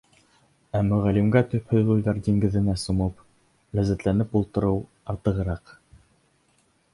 Ә Мөғәллимгә төпһөҙ уйҙар диңгеҙенә сумып ләззәтләнеп ултырыу артығыраҡ.